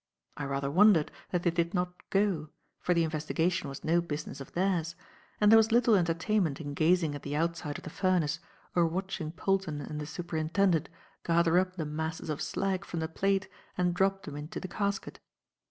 I rather wondered that they did not go, for the investigation was no business of theirs, and there was little entertainment in gazing at the outside of the furnace or watching Polton and the Superintendent gather up the masses of slag from the plate and drop them into the casket.